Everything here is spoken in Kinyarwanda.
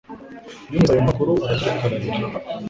Yumvise ayo makuru, araturika ararira